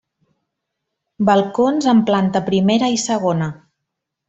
Balcons en planta primera i segona.